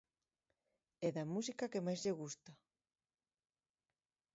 E da música que máis lles gusta.